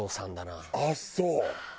あっそう。